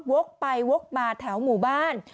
วกไปวกมาแถวหมู่บ้าน